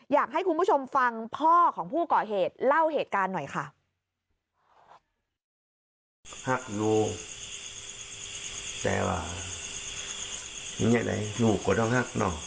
อยากให้คุณผู้ชมฟังพ่อของผู้ก่อเหตุเล่าเหตุการณ์หน่อยค่ะ